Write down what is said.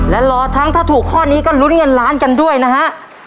และรอทั้งถ้าถูกข้อนี้ก็ลุ้นเงินล้านกันด้วยนะฮะ